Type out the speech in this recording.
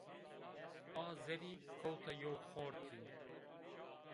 A zerrî kewta yew xortî